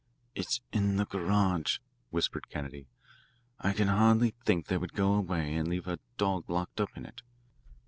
"It's in the garage," whispered Kennedy. "I can hardly think they would go away and leave a dog locked up in it.